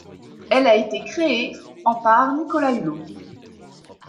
Elle a été créée en par Nicolas Hulot.